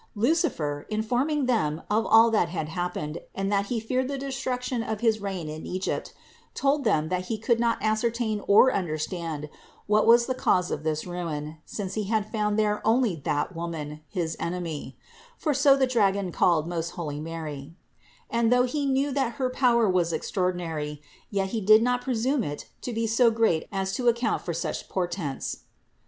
Lucifer, informing them of all that had happened, and that he feared the destruction of his reign in Egypt, told them that he could not ascertain or under stand what was the cause of this ruin, since he had found there only that Woman, his enemy (for so the dragon called most holy Mary) ; and though he knew that her power was extraordinary, yet he did not presume it to be so great as to account for such portents.